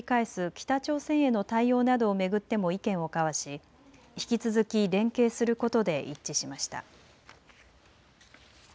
北朝鮮への対応などを巡っても意見を交わし引き続き連携することで一致しました。